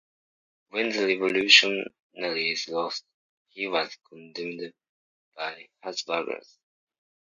When the Revolutionaries lost he was condemned by the Habsburgs.